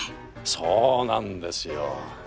そうなんですよ。